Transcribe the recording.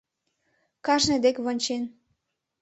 Кажне дек вончен: